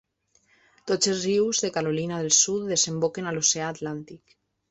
Tots els rius de Carolina del Sud desemboquen a l'oceà Atlàntic.